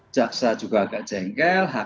jaksa juga agak jengkel